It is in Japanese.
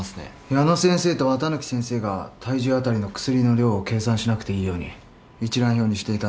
矢野先生と綿貫先生が体重あたりの薬の量を計算しなくていいように一覧表にしていたのでは？